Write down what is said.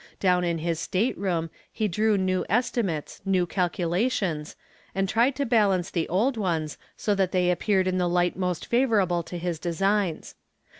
Down in his stateroom he drew new estimates, new calculations, and tried to balance the old ones so that they appeared in the light most favorable to his designs.